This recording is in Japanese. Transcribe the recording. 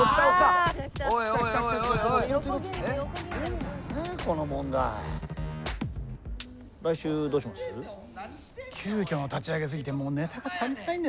急きょの立ち上げすぎてもうネタが足りないんだよな。